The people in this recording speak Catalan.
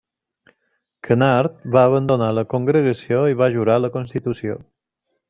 Canard, va abandonar la congregació i va jurar la constitució.